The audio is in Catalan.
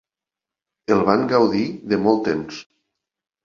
El van gaudir de molt temps.